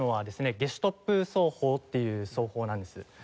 ゲシュトップ奏法っていう奏法なんです。